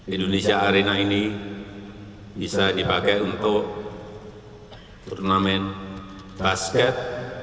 indonesia arena ini bisa dipakai untuk turnamen basket